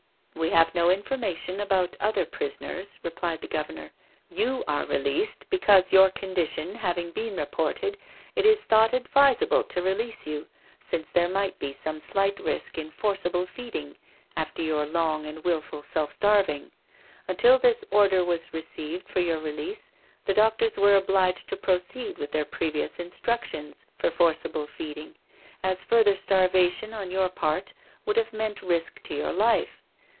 " We have no information about other prisoners/' replied the Governor. " You are released because your condition having been reported^ it is thought advisable to release you, since there might be some slight risk in forcible feeding, after your long and wilful self starving. Until this order was received for your release, the doctors were obliged to proceed with their previous instructions for forcible feeding, as further starvation on your part would have meant risk to your life.